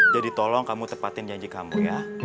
jadi tolong kamu tepatin janji kamu ya